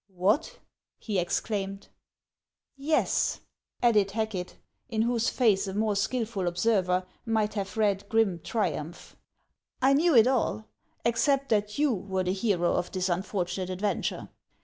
" What !" he exclaimed. " Yes," added Hacket, in whose face a more skilful observer might have read grim triumph ;" I knew it all, except that you were the hero of this unfortunate adven ture.